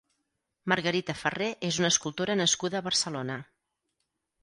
Margarita Farré és una escultora nascuda a Barcelona.